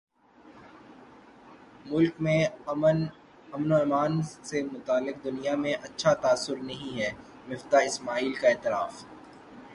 ملک میں امن امان سے متعلق دنیا میں اچھا تاثر نہیں ہے مفتاح اسماعیل کا اعتراف